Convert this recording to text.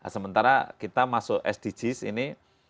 sementara kita masuk sdgs ini